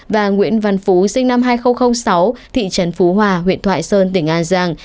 và nguyễn văn phú sinh năm hai nghìn sáu thị trấn phú hòa huyện thoại sơn tỉnh an giang